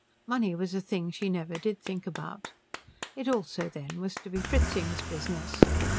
Money was a thing she never did think about. It also, then, was to be Fritzing's business.